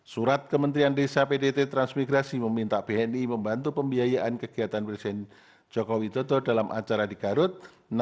lima belas surat kementerian desa pdt transmigrasi meminta bni membantu pembiayaan kegiatan presiden jokowi toto dalam acara di garut